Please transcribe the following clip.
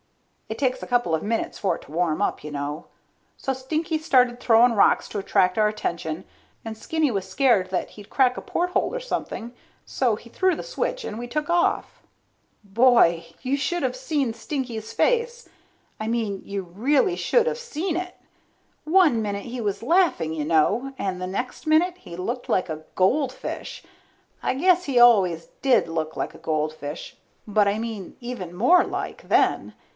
It takes a couple of minutes for it to warm up, you know. So Stinky started throwing rocks to attract our attention, and Skinny was scared that he'd crack a porthole or something, so he threw the switch and we took off. Boy, you should of seen Stinky's face. I mean you really should of seen it. One minute he was laughing you know, and the next minute he looked like a goldfish. I guess he always did look like a goldfish, but I mean even more like, then.